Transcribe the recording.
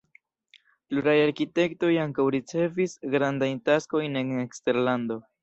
Pluraj arkitektoj ankaŭ ricevis grandajn taskojn en eksterlando.